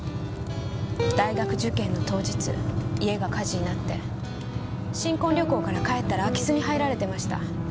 大学受験の当日家が火事になって新婚旅行から帰ったら空き巣に入られてました。